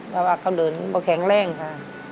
แล้วเขาเดินแข็งแร่งค่ะ